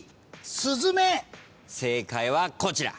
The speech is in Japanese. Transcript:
正解はこちら。